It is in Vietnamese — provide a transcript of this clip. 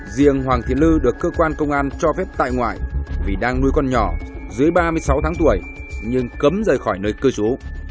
riêng hoàng thị lư được cơ quan công an cho phép tại ngoại vì đang nuôi con nhỏ dưới ba mươi sáu tháng tuổi nhưng cấm rời khỏi nơi cư trú